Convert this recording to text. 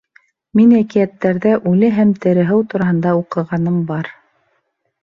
Мин әкиәттәрҙә үле һәм тере һыу тураһында уҡығаным бар.